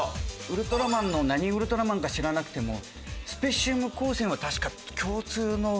ウルトラマンの何ウルトラマンか知らなくてもスペシウム光線は確か。